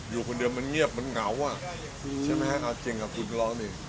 อยู่คนเดียวมันเงียบมันเหงาอ่ะใช่ไหมฮะเอาจริงกับคุณร้องดิ